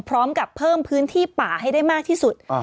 พร้อมกับเพิ่มพื้นที่ป่าให้ได้มากที่สุด